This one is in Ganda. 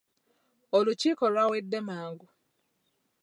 Olukiiko lwawedde mangu.